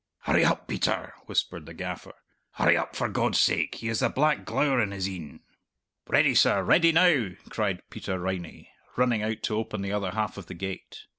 "Hurry up, Peter," whispered the gaffer, "hurry up, for God sake. He has the black glower in his een." "Ready, sir; ready now!" cried Peter Riney, running out to open the other half of the gate.